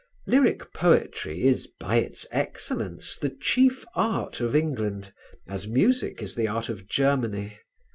Lyric poetry is by its excellence the chief art of England, as music is the art of Germany.